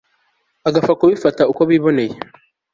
bagapfa kubifata uko biboneye